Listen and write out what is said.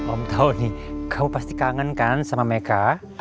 om tahu nih kamu pasti kangen kan sama mika